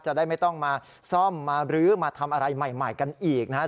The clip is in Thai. จะได้ไม่ต้องมาซ่อมมารื้อมาทำอะไรใหม่กันอีกนะครับ